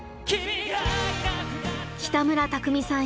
北村匠海さん